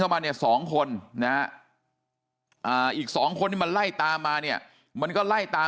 มาเนี่ย๒คนนะอีก๒คนที่มันไล่ตามมาเนี่ยมันก็ไล่ตาม